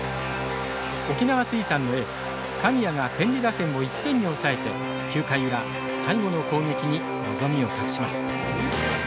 沖縄水産のエース神谷が天理打線を１点に抑えて９回裏、最後の攻撃に望みを託します。